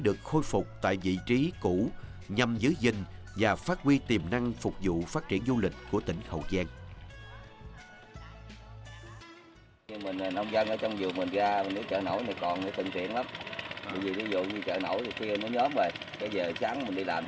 được khôi phục tại vị trí cũ nhằm giữ gìn và phát huy tiềm năng phục vụ phát triển du lịch của tỉnh hậu giang